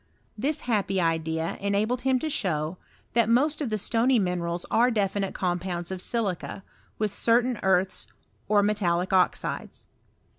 This happy idea enabled him to show, that most of the stony minerals are definite compounds of silica, with certain earths or metallic osides.